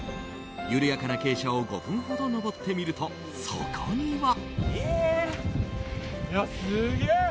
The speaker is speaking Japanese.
緩やかな傾斜を５分ほど登ってみるとそこには。